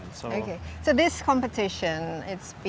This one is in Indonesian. pertempuran ini telah berlangsung sejak tahun lalu